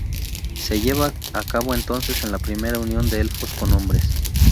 Se lleva a cabo entonces la Primera Unión de Elfos con Hombres.